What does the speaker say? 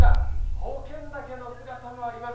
宝剣岳の姿もあります。